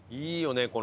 いいよね